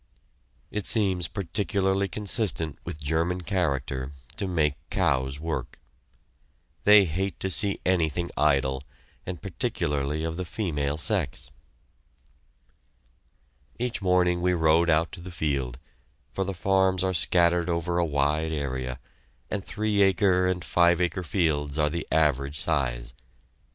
It seems particularly consistent with German character to make cows work! They hate to see anything idle, and particularly of the female sex. Each morning we rode out to the field, for the farms are scattered over a wide area, and three acre and five acre fields are the average size.